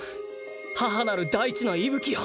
母なる大地の息吹よ